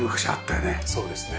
そうですね。